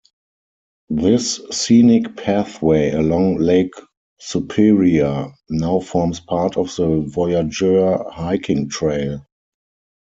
This scenic pathway along Lake Superior now forms part of the Voyageur Hiking Trail.